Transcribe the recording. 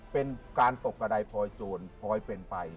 เป็นการตกกระดายพลอยโจรพลอยเป็นไป